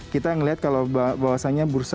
kita melihat kalau bawasannya berubah